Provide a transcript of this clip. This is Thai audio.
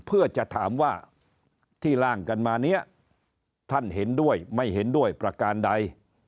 เพื่อจะถามว่าที่ร่างกันมาเนี่ยท่านเห็นด้วยไม่เห็นด้วยประการใด